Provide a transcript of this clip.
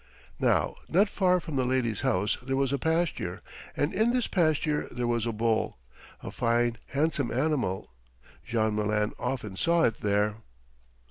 Now not far from the lady's house there was a pasture, and in this pasture there was a bull, a fine, handsome animal. Jean Malin often saw it there.